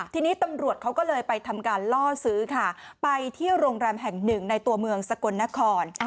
ทีนี้ตำรวจเขาก็เลยไปทำการล่อซื้อค่ะไปที่โรงแรมแห่งหนึ่งในตัวเมืองสกลนคร